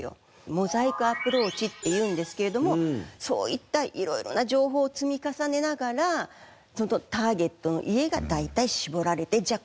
モザイクアプローチっていうんですけれどもそういった色々な情報を積み重ねながらターゲットの家が大体絞られてじゃあ